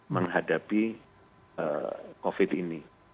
menghadapi covid sembilan belas ini